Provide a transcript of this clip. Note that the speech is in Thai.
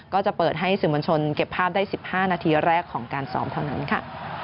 ก็จะเปิดให้สื่อมวลชนเก็บภาพได้๑๕นาทีแรกของการซ้อมเท่านั้นค่ะ